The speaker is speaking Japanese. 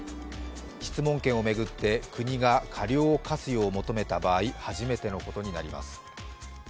質問権を巡って国が過料を科すよう求めた場合初めてのことになります。